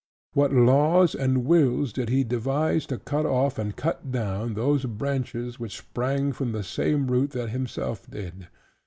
What laws and wills did he devise to cut off, and cut down those branches, which sprang from the same root that himself did?